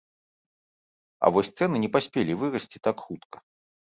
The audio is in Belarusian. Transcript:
А вось цэны не паспелі вырасці так хутка.